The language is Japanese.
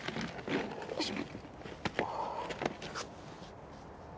よいしょ。